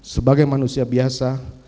sebagai manusia biasa